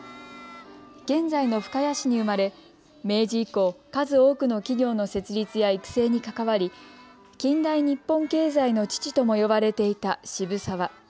現在の深谷市に生まれ明治以降、数多くの企業の設立や育成に関わり近代日本経済の父とも呼ばれていた渋沢。